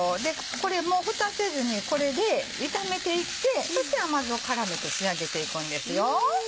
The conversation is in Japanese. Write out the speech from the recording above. これもふたせずにこれで炒めていってそして甘酢を絡めて仕上げていくんですよ。